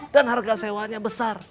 dan harga sewanya besar